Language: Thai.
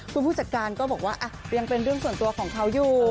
คุณผู้จัดการก็บอกว่ายังเป็นเรื่องส่วนตัวของเขาอยู่